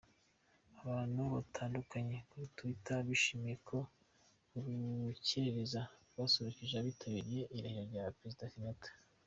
Abantu batandukanye kuri Twitter bishimiye ko Urukerereza rwasurukije abitabiriye irahira rya Perezida Kenyatta.